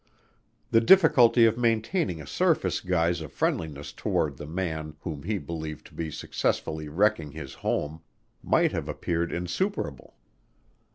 The difficulty of maintaining a surface guise of friendliness toward the man whom he believed to be successfully wrecking his home might have appeared insuperable.